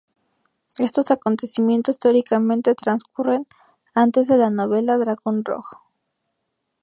Estos acontecimientos teóricamente transcurren antes de la novela Dragón Rojo.